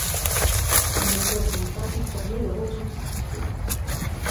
Ils ne peuvent donc pas confirmer leur authenticité.